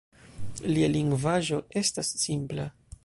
Lia lingvaĵo estas simpla.